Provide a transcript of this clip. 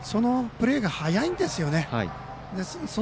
そのプレーが早いんですよね。